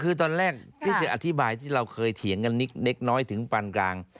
คือตอนแรกที่จะอธิบายที่เราเคยเถียงกันเล็กน้อยถึงปานกลาง